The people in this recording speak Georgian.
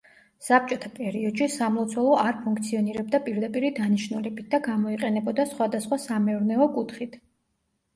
საბჭოთა პერიოდში სამლოცველო არ ფუნქციონირებდა პირდაპირი დანიშნულებით და გამოიყენებოდა სხვადასხვა სამეურნეო კუთხით.